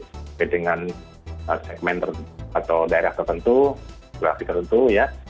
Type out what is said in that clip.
seperti dengan segmen atau daerah tertentu grafik tertentu ya